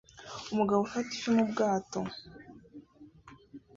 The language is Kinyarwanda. Umugabo ufata ifi mu bwato